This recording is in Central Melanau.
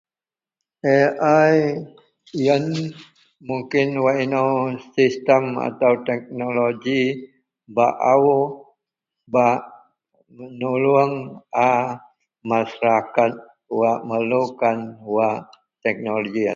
. AI ien munkin wak inou system atau teknologi baau bak menulung a masyarakat wak merlukan wak teknologi ien